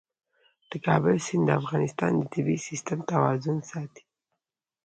د کابل سیند د افغانستان د طبعي سیسټم توازن ساتي.